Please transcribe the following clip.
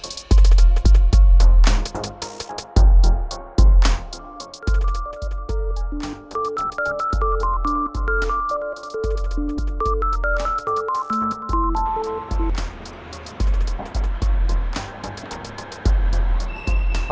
bokap gue di penjara